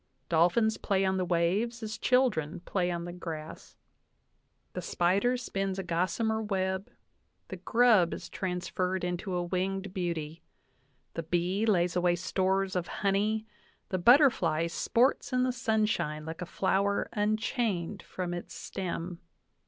Dolphins play on the waves as children play on the grass. The spider spins a gossamer web; the grub is transferred into a winged beauty; the bee lays away stores of honey ; the butterfly sports in the sunshine like a flower unchained from its stem.